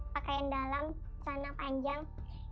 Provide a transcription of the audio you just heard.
pakaian dalam sana panjang